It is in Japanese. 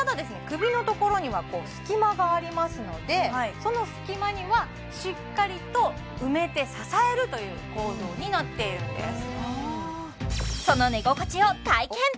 首のところには隙間がありますのでその隙間にはしっかりと埋めて支えるという構造になっているんです